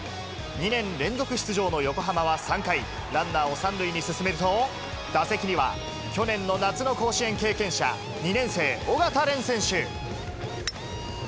２年連続出場の横浜は３回、ランナーを３塁に進めると、打席には、去年の夏の甲子園経験者、２年生、緒方漣選手。